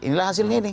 inilah hasilnya ini